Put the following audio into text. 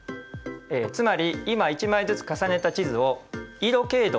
つまり今一枚ずつ重ねた地図を経度